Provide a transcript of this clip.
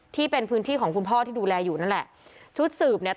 ที่เป็นพื้นที่ของคุณพ่อที่ดูแลอยู่นั่นแหละชุดสืบเนี่ย